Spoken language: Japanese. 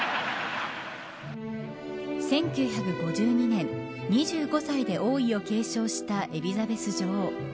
１９５２年２５歳で王位を継承したエリザベス女王。